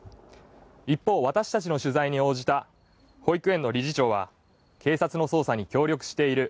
一方、私たちの取材に応じた保育園の理事長は警察の捜査に協力している。